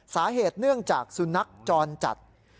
สาเหตุเนื่องจากสุนัขจรจัด